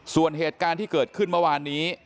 ส่วนเหตุการณ์ที่เกิดขึ้นเมื่อวานนี้